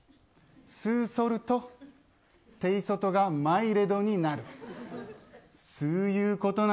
すうそるとテイソトがマイレドになる。